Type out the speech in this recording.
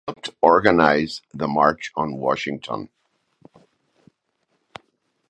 He helped organize the March on Washington.